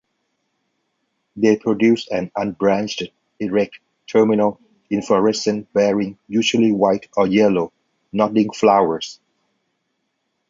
They produce an unbranched, erect, terminal inflorescence bearing usually white or yellow, nodding flowers.